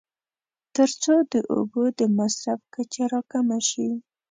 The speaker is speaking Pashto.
تر څو د اوبو د مصرف کچه راکمه شي.